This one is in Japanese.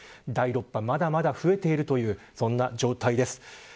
第６波、まだまだ増えているという、そんな状況です。